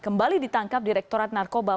kembali ditangkap di rektorat narkoba